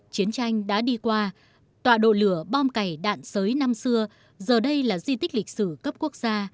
chiến tranh đã đi qua tọa độ lửa bom cày đạn sới năm xưa giờ đây là di tích lịch sử cấp quốc gia